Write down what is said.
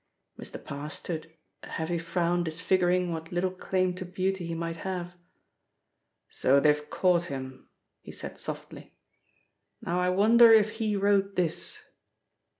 Mr. Parr stood, a heavy frown disfiguring what little claim to beauty he might have. "So they've caught him," he said softly. "Now I wonder if he wrote this?"